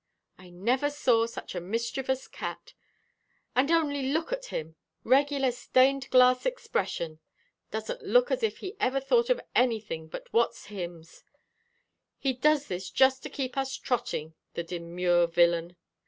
I never saw such a mischievous cat! And only look at him! Regular stained glass expression; doesn't look as if he ever thought of anything but Watts's hymns! He does this just to keep us trotting, the demure villain!"